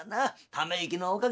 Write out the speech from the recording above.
ため息のおかげだ。